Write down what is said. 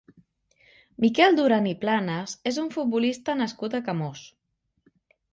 Miquel Duran i Planas és un futbolista nascut a Camós.